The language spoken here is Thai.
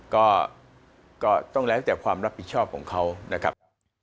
ก็ต้องแล้วแต่ความรับผิดชอบของเขานะครับ